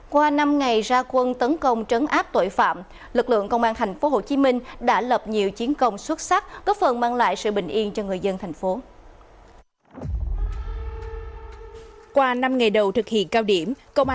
qua năm ngày ra quân tấn công trấn áp tội phạm lực lượng công an tp hcm